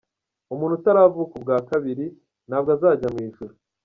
Umuntu utaravuka ubwa kabiri ntabwo azajya mu ijuru.